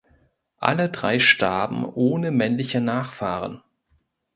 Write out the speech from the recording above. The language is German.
Alle drei starben ohne männliche Nachfahren.